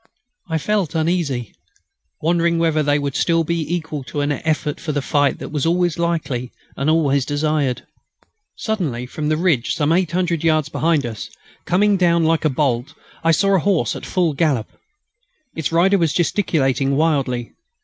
I felt uneasy, wondering whether they would still be equal to an effort for the fight that was always likely and always desired. Suddenly, from the ridge some 800 yards behind us, coming down like a bolt, I saw a horse, at full gallop. Its rider was gesticulating wildly.